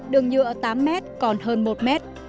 đường nhựa tám mét còn hơn một mét